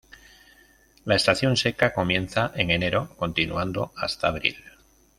La estación seca comienza en enero continuando hasta abril.